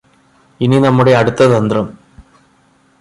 ഇനി നമ്മുടെ അടുത്ത തന്ത്രം